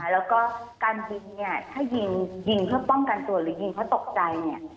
แล้วก็การยิงเนี่ยถ้ายิงยิงเพื่อป้องกันตัวหรือยิงเพราะตกใจเนี่ย